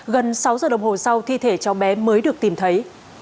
gần sáu giờ đồng hồ sau thi thể cháu bé mới được tìm thấy